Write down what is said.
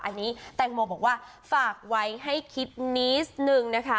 อันนี้แตงโมบอกว่าฝากไว้ให้คิดนิดนึงนะคะ